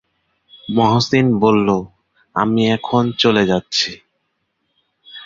মহসিন বলল, আমি এখন চলে যাচ্ছি।